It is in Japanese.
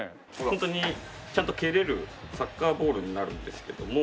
ホントにちゃんと蹴れるサッカーボールになるんですけども。